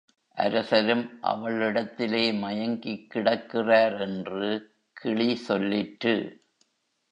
அரசரும் அவளிடத்திலே மயங்கிக் கிடக்கிறார் என்று கிளி சொல்லிற்று.